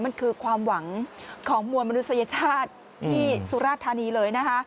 มันคือความหวังของมวลมนุษยชาติที่สุราธานีเลยนะคะ